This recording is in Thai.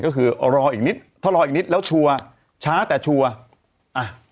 ก็คือรออีกนิดถ้ารออีกนิดแล้วชัวร์ช้าแต่ชัวร์อ่ะ